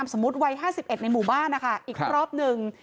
สมมุติวัย๕๑ในหมู่บ้านนะคะอีกรอบหนึ่ง